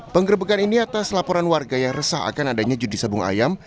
penggerbekan ini atas laporan warga yang resah akan adanya judi sabung ayam